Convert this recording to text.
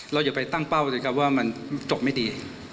อย่าไปตั้งเป้าเลยครับว่ามันจบไม่ดี